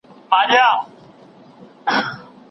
مشرانو به د نوي نسل د راتلونکي په اړه خبرې کولي.